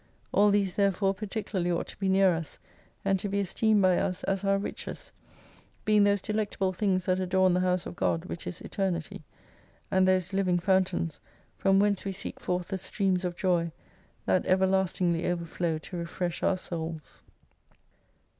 All these therefore parti cularly ought to be near us, and to be esteemed by us as our riches ; being those delectable things that adorn the house of God which is Eternity ; and those living fountains, from whence we seek forth the streams of joy, that everlastingly overflow to refresh our souls.